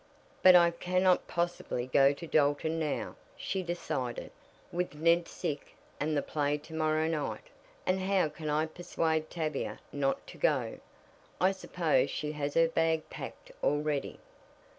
"But I cannot possibly go to Dalton now," she decided, "with Ned sick, and the play to morrow night. "And how can I persuade Tavia not to go? I suppose she has her bag packed already."